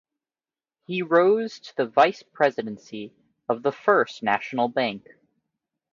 He rose to the vice presidency of the First National Bank.